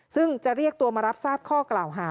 ซึ่งจะเรียกตัวมารับทราบข้อกล่าวหา